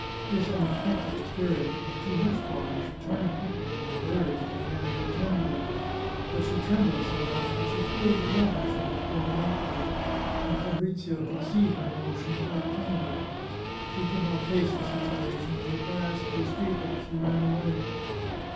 This unexpected experience was too much for her; she turned quickly to her birds, and began to attend to them; but she trembled so much that she spilled the water she was pouring out for them, and Fabrizio could see her emotion quite plainly. She could not face the situation, and at last, to escape it, she ran away.